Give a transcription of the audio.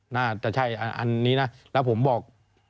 น่าจะใช่อันนี้นะแล้วผมบอก